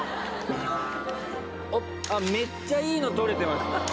めっちゃいいの撮れてます。